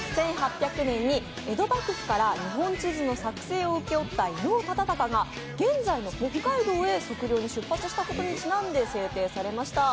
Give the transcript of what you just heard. １８００年に江戸幕府から日本地図の作成を請け負った伊能忠敬が現在の北海道に測量に出発したことから制定されました。